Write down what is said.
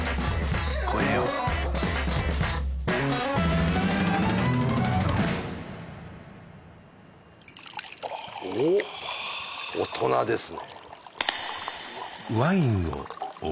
越えようおおっ大人ですね